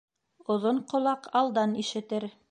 Оҙон ҡолаҡ алдан ишетер.